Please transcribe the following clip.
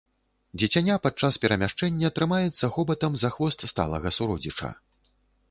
Дзіцяня падчас перамяшчэння трымаецца хобатам за хвост сталага суродзіча.